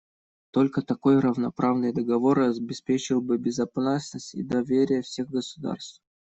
Только такой равноправный договор обеспечил бы безопасность и доверие всех государств.